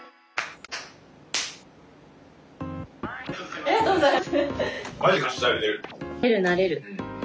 ありがとうございます。